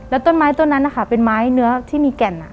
แล้วต้นไม้ต้นนั้นนะคะเป็นไม้เนื้อที่มีแก่น